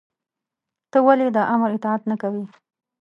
تۀ ولې د آمر اطاعت نۀ کوې؟